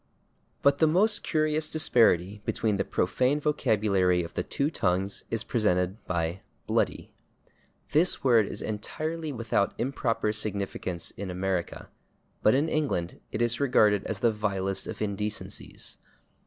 But the most curious disparity between the profane vocabulary of the two tongues is presented by /bloody/. This word is entirely without improper significance in America, but in England it is regarded as the vilest of indecencies.